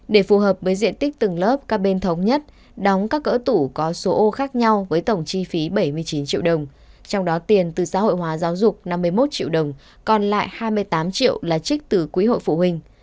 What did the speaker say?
để phù hợp với diện tích từng lớp các bên thống nhất đóng các cỡ tủ có số ô khác nhau với tổng chi phí bảy mươi chín triệu đồng trong đó tiền từ xã hội hóa giáo dục năm mươi một triệu đồng còn lại hai mươi tám triệu là trích từ quý hội phụ huynh